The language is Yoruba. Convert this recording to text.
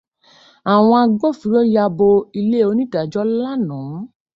Àwọn agbófinró ya bo ilé onídájọ́ lánàá.